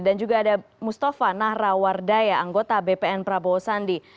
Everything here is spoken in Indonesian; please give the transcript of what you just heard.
dan juga ada mustafa nahrawardaya anggota bpn prabowo sandi